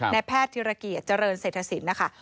ในแพทย์ธิรกีธรรณเศรษฐศิลป์นะคะ